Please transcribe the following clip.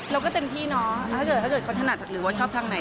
เราก็เต็มที่เนาะถ้าเกิดเขาถนัดหรือว่าชอบทางไหน